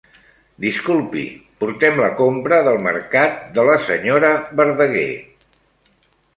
Disculpi, portem la compra del mercat de la senyora Verdaguer.